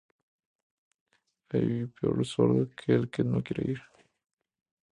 No hay peor sordo que el que no quiere oír